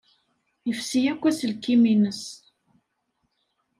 Yefsi akk aselkim-nnes.